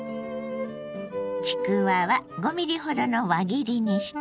ちくわは５ｍｍほどの輪切りにしてね。